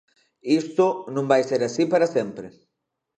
Isto non vai ser así para sempre.